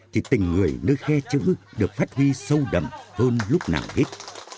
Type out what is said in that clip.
thì tình người nơi khe chữ được phát huy sâu đậm hơn lúc nào hết